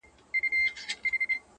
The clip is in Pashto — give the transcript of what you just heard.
زما د سترگو له جوړښته قدم اخله”